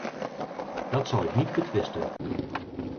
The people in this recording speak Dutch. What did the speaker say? Dat zal ik niet betwisten.